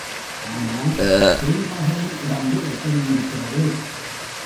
ஆனால் பேய் மகளின் உடம்பு எப்படி இருக்கிறது?